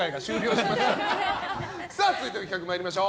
続いての企画参りましょう。